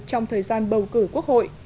trong thời gian bầu cử quốc hội